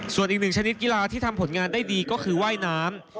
ส่วนอีกหนึ่งชนิดกีฬาที่ทำผลงานได้ดีก็คือว่ายน้ำ